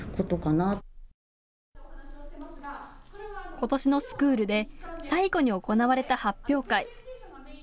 ことしのスクールで最後に行われた発表会。